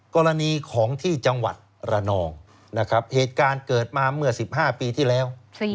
กรณีของที่จังหวัดระนองนะครับเหตุการณ์เกิดมาเมื่อ๑๕ปีที่แล้ว